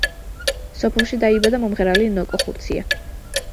სოფელში დაიბადა მომღერალი ნოკო ხურცია.